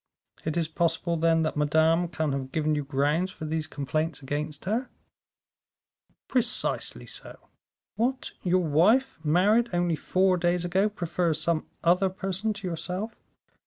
It is possible, then, that Madame can have given you grounds for these complaints against her?" "Precisely so." "What, your wife, married only four days ago, prefers some other person to yourself?